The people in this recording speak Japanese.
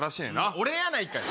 俺やないかい。